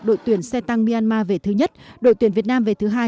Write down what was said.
đội tuyển xe tăng myanmar về thứ nhất đội tuyển việt nam về thứ hai